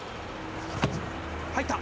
入った。